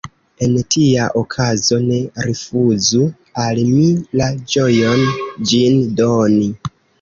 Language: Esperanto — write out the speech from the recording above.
En tia okazo ne rifuzu al mi la ĝojon ĝin doni.